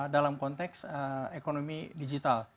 dalam konteks digital